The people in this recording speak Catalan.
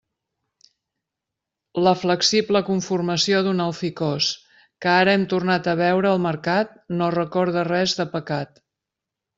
La flexible conformació d'un alficòs, que ara hem tornat a veure al mercat, no recorda res de pecat.